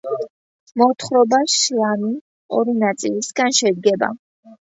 მოთხრობა „შლამი“ ორი ნაწილისაგან შედგება.